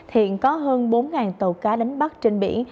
hiện có hơn bốn tàu cá đánh bắt trên biển